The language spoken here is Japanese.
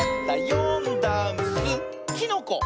「よんだんす」「きのこ」！